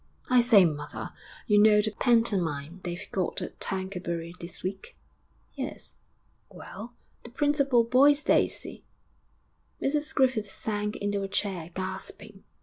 'I say, mother, you know the pantomime they've got at Tercanbury this week?' 'Yes.' 'Well, the principal boy's Daisy.' Mrs Griffith sank into a chair, gasping.